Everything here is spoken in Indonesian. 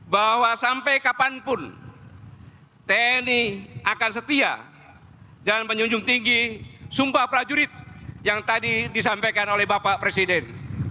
bahwa sampai kapanpun tni akan setia dan menjunjung tinggi sumpah prajurit yang tadi disampaikan oleh bapak presiden